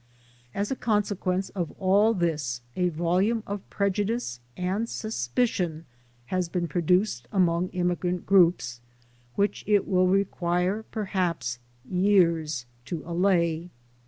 As a consequence of all this a volume of prejudice and sus picion has been produced among immigrant groups, which it will require perhaps years to allay.